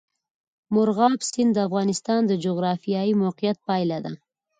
مورغاب سیند د افغانستان د جغرافیایي موقیعت پایله ده.